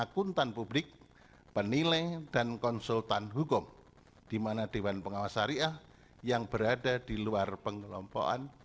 hai penilai dan konsultan hukum dimana dewan pengawas syariah yang berada di luar pengelompokan